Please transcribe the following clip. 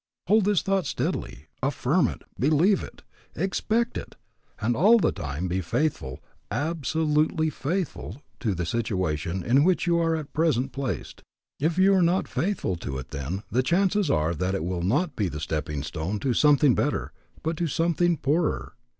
Hold this thought steadily, affirm it, believe it, expect it, and all the time be faithful, absolutely faithful to the situation in which you are at present placed. If you are not faithful to it then the chances are that it will not be the stepping stone to something better, but to something poorer.